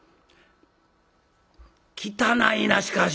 「汚いなしかし。